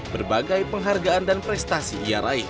berbagai penghargaan dan prestasi ia raih